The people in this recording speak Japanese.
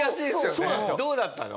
どうだったの？